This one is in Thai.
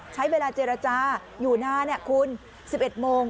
ใช้เวลาเจรจาอยู่นานคุณ๑๑โมง